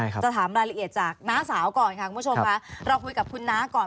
คุณสาวก่อนค่ะคุณผู้ชมเราคุยกับคุณน้าก่อน